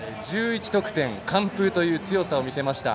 得点完封という強さを見せました。